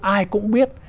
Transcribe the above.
ai cũng biết